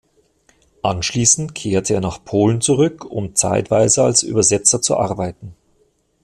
Anschließend kehrte er nach Polen zurück, um zeitweise als Übersetzer zu arbeiten.